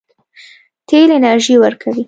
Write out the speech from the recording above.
تیل انرژي ورکوي.